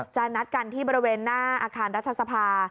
นัดกันที่บริเวณหน้าอาคารรัฐสภา